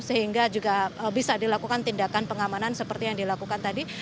sehingga juga bisa dilakukan tindakan pengamanan seperti yang dilakukan tadi